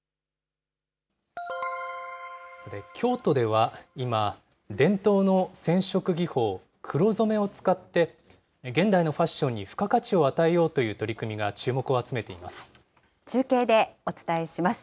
さて、京都では今、伝統の染色技法、黒染めを使って、現代のファッションに付加価値を与えようという取り組みが注目を中継でお伝えします。